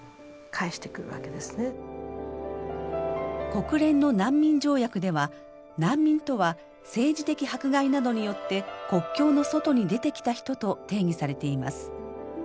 国連の難民条約では「難民とは政治的迫害などによって国境の外に出てきた人」と定義されています。